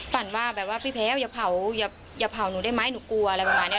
ฝันว่าแบบว่าพี่แพ้วอย่าเผาอย่าเผาหนูได้ไหมหนูกลัวอะไรประมาณนี้